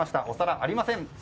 お皿ありません。